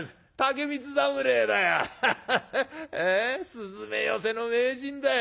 すずめ寄せの名人だよ。